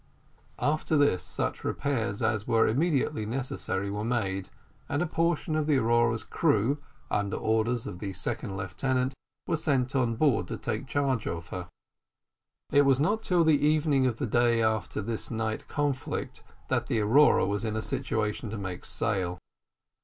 After this such repairs as were immediately necessary were made, and a portion of the Aurora's crew, under the orders of the second lieutenant, were sent on board to take charge of her. It was not till the evening of the day after this night conflict that the Aurora was in a situation to make sail.